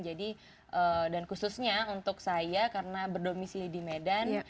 jadi dan khususnya untuk saya karena berdomisi di medan